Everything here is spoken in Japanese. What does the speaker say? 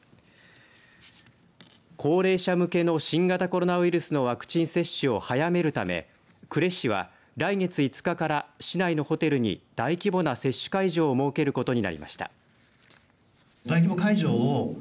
高齢者向けの新型コロナウイルスのワクチン接種を早めるため呉市は、来月５日から市内のホテルに大規模な接種会場を設けることになりました。